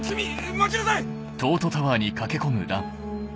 待ちなさい！